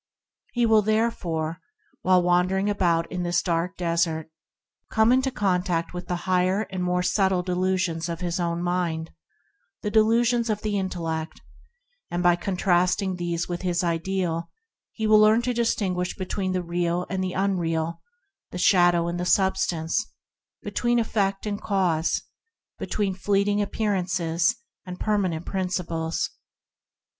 He will, therefore, while wander ing about in this dark Desert, come into contact with the higher and more subtle delusions of his own mind, the delusions of the intellect; and, by contrasting these with his Ideal, will learn to distinguish between the real and the unreal, the shadow and substance, between effect and cause, between fleeting appearances and permanent Prin ciples.